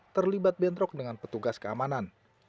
terlibat bentrok dengan petugas keamanan